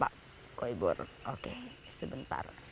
pak koibor oke sebentar